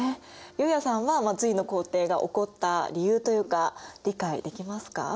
悠也さんは隋の皇帝が怒った理由というか理解できますか？